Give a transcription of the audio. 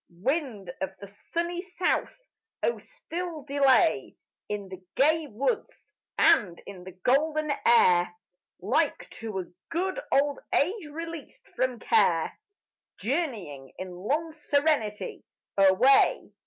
Wind of the sunny south! oh still delay In the gay woods and in the golden air, Like to a good old age released from care, Journeying, in long serenity, away.